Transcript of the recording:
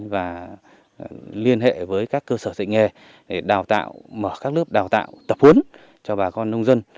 và liên hệ với các cơ sở dạy nghề để đào tạo mở các lớp đào tạo tập huấn cho bà con nông dân